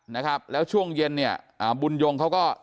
นะครับแล้วช่วงเย็นเนี่ยอ่าบุญยงเขาก็